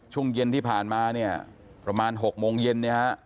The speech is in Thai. ช่วงเย็นที่ผ่านมาเนี่ยประมาณ๖โมงเย็นเนี่ยฮะ